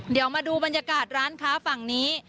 เดี๋ยวมาดูบรรยากาศร้านค้าฝั่งนี้